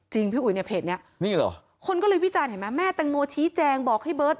จริงพี่อุ๋ยเพจนี้คนก็เลยวิจารณ์แม่เต็มโมชี้แจงบอกให้เบิร์ต